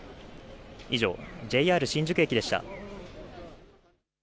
以上、ＪＲ新宿駅でした。